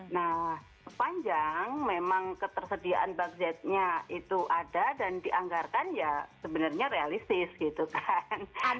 nah sepanjang memang ketersediaan budgetnya itu ada dan dianggarkan ya sebenarnya realistis gitu kan